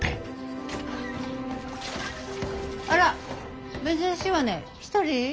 あら珍しいわね１人？